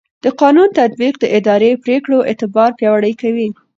د قانون تطبیق د اداري پرېکړو اعتبار پیاوړی کوي.